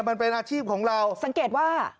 มันเป็นอาชีพของเรา